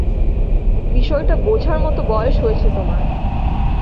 বিষয়টা বোঝার মত বয়স হয়েছে তোমার।